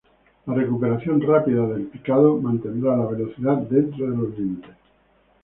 La recuperación rápida del picado mantendrá la velocidad dentro de los límites.